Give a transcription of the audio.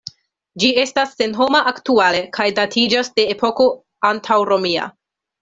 Ĝi estas senhoma aktuale kaj datiĝas de epoko antaŭromia.